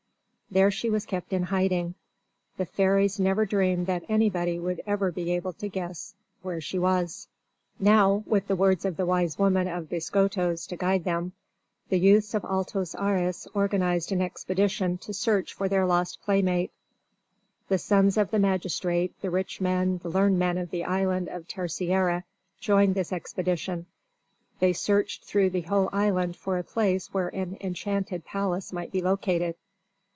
There she was kept in hiding. The fairies never dreamed that anybody would ever be able to guess where she was. [Illustration: The beautiful enchanted palace in the lake of Ginjal] Now, with the words of the wise woman of Biscoitos to guide them, the youths of Altos Ares organized an expedition to search for their lost playmate. The sons of the magistrate, the rich men, the learned men of the island of Terceira joined this expedition. They searched through the whole island for a place where an enchanted palace might be located.